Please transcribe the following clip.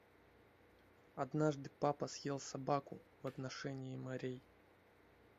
Однажды папа съел собаку в отношении морей.